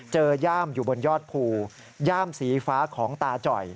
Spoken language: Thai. ย่ามอยู่บนยอดภูย่ามสีฟ้าของตาจ่อย